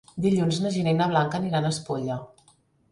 Dilluns na Gina i na Blanca aniran a Espolla.